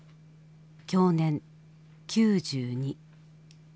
享年９２。